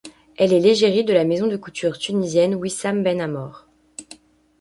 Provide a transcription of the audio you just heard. Elle est l'égérie de la maison de couture tunisienne Wissam Ben Amor.